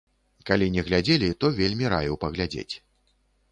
Калі не глядзелі, то вельмі раю паглядзець.